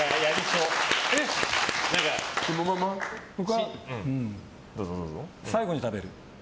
僕は、最後に食べる。